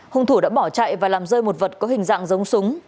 hung thủ đã bỏ chạy và làm rơi một vật có hình dạng giống súng